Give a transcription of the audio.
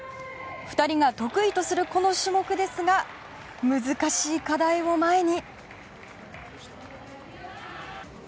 ２人が得意とするこの種目ですが難しい課題を前に。